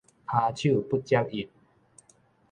跤手不接一